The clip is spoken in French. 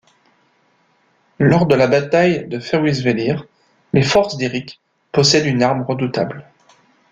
Lors de la bataille de Fyrisvellir, les forces d'Éric possèdent une arme redoutable.